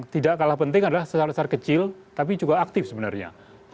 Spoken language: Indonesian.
tidak kalah penting adalah besar besar kecil tapi juga aktif sebenarnya